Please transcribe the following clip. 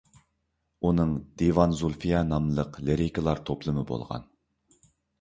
ئۇنىڭ «دىۋان زۇلفىيە» ناملىق لىرىكىلار توپلىمى بولغان.